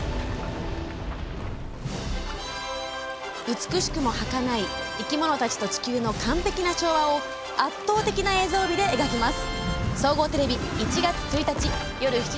美しくもはかない生き物たちと地球の完璧な調和を圧倒的な映像美で描きます。